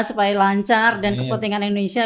supaya lancar dan kepentingan indonesia